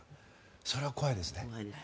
それは怖いですね。